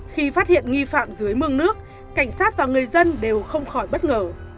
khi phát hiện nghi phạm dưới mương nước cảnh sát và người dân đều không khỏi bất ngờ